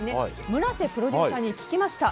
村瀬プロデューサーに聞きました。